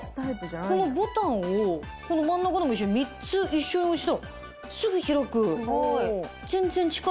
このボタンをこの真ん中のも一緒に３つ一緒に押したらすぐ開く！